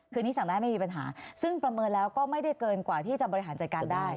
คือนี้สั่งได้ไม่มีปัญหาซึ่งประเมินแล้วก็ไม่ได้เกินกว่าที่จะบริหารจัดการได้